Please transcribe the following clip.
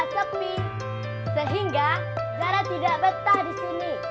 kampung itu sangat sepi